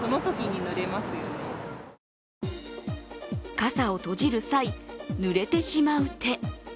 傘を閉じる際、ぬれてしまう手。